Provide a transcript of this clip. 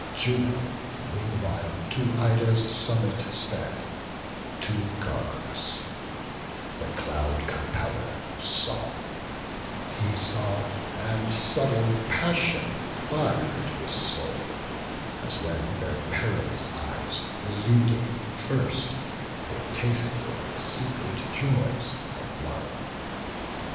Juno meanwhile to Ida's summit sped, To Gargarus; the Cloud compeller saw; He saw, and sudden passion fir'd his soul, As when, their parents' eyes eluding, first They tasted of the secret joys of love.